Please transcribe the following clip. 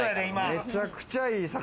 めちゃくちゃいい魚。